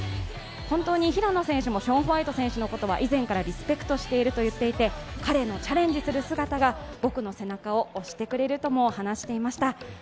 本当に平野選手もショーン・ホワイト選手のことは以前からリスペクトしていると言っていて彼のチャレンジする姿が僕の背中を押してくれるとも話していました。